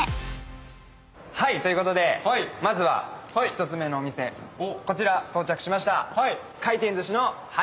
はい！ということでまずは１つ目のお店こちら到着しました。